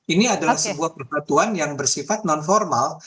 ini adalah sebuah persatuan yang bersifat non formal